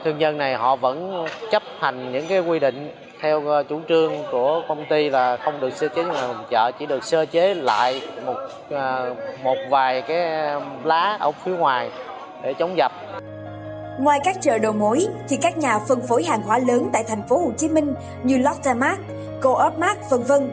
ngoài các chợ đồ mối các nhà phân phối hàng hóa lớn tại thành phố hồ chí minh như lotte mart co op mart v v